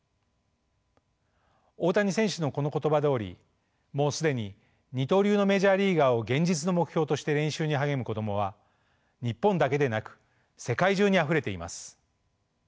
大谷選手のこの言葉どおりもう既に二刀流のメジャーリーガーを現実の目標として練習に励む子供は日本だけでなく世界中にあふれています。